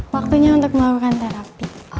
waktunya untuk melakukan terapi